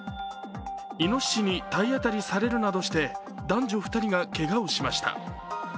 いのししに体当たりされるなどして男女２人がけがをしました。